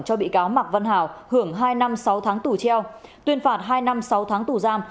cho bị cáo mạc văn hảo hưởng hai năm sáu tháng tù treo tuyên phạt hai năm sáu tháng tù giam